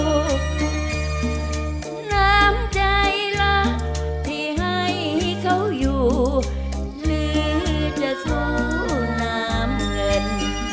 น้ำใจรักที่ให้เขาอยู่หรือจะสู้น้ำเงิน